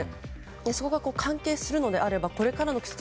そこが関係するのであればこれからの季節